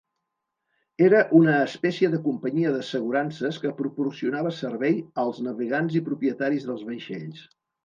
Era una espècie de companyia d'assegurances que proporcionava servei als navegants i propietaris dels vaixells.